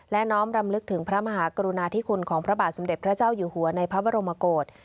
และน้อมรำลึกถึงพระมหากรุณาธิคุณของพระบาทสมเด็จพระเจ้าอยู่หัวในพระบรมกฏ